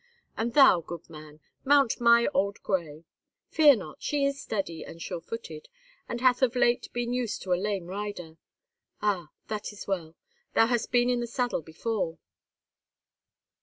And thou, good man, mount my old gray. Fear not; she is steady and sure footed, and hath of late been used to a lame rider. Ah! that is well. Thou hast been in the saddle before."